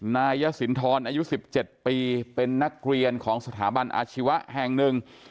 นายยสินทรอายุ๑๗ปีเป็นนักเรียนของสถาบันอาชีวะแห่งหนึ่ง